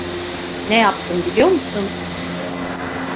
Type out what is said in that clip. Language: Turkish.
Ne yaptım biliyor musun?